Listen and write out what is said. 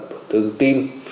tổn thương tim